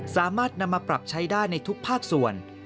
สามารถนำมาปรับใช้ได้ในทุกภาคส่วน